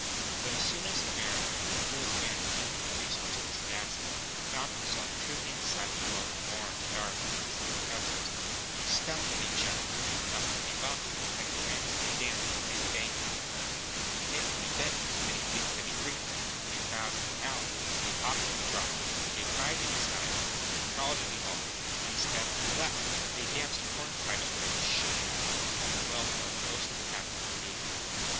But as soon as the Mariner, who was a man of infinite resource and sagacity, found himself truly inside the Whale's warm, dark, inside cup boards, he stumped and he jumped and he thumped and he bumped, and he pranced and he danced, and he banged and he clanged, and he hit and he bit, and he leaped and he creeped, and he prowled and he howled, and he hopped and he dropped, and he cried and he sighed, and he crawled and he bawled, and he stepped and he lepped, and he danced hornpipes where he shouldn't, and the Whale felt most unhappy indeed.